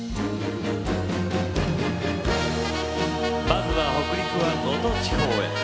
まずは北陸は能登地方へ。